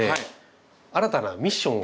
新たなミッションを。